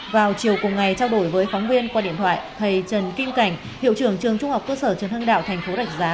vào chiều cùng ngày trao đổi với phóng viên qua điện thoại thầy trần kim cảnh hiệu trưởng trường trung học cơ sở trần hưng đạo thành phố rạch giá